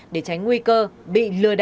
để tránh nguy cơ bị lừa đẩy